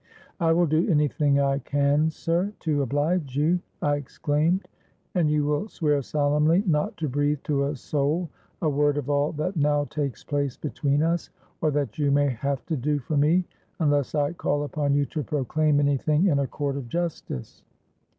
'—'I will do any thing I can, sir, to oblige you,' I exclaimed.—'And you will swear solemnly not to breathe to a soul a word of all that now takes place between us, or that you may have to do for me, unless I call upon you to proclaim any thing in a court of justice.'